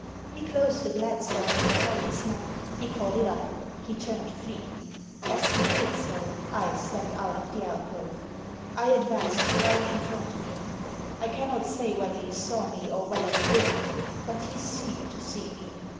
He closed the Glad stone with a hurried snap ; he caught it up ; he turned to flee. As he did so I stepped out of the alcove. I advanced right in front of him. I cannot say whether he saw me, or whether he didn't. But he seemed to see me.